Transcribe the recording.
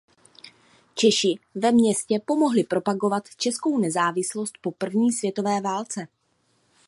Češi ve městě pomohli propagovat českou nezávislost po první světové válce.